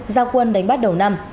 giao quân đánh bắt đầu năm